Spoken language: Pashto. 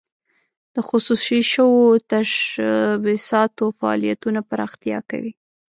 د خصوصي شوو تشبثاتو فعالیتونه پراختیا کوي.